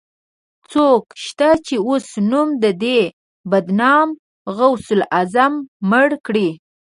څوک شته، چې اوس نوم د دې بدنام غوث العظم مړ کړي